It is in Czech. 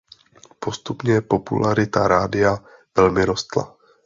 Postupně popularita rádia velmi rostla.